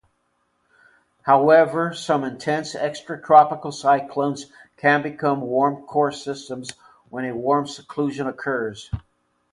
However, some intense extratropical cyclones can become warm-core systems when a warm seclusion occurs.